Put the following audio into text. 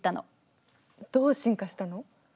どう進化したの？